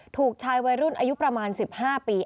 ถูกชายวัยรุ่นอายุประมาณ๑๕ปี